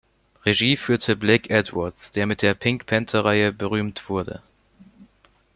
Regie führte Blake Edwards, der mit der "Pink-Panther-Reihe" berühmt wurde.